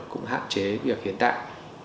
cũng hạn chế việc hiến tạng